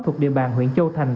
thuộc địa bàn huyện châu thành